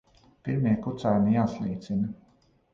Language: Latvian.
Pirmie kucēni jāslīcina.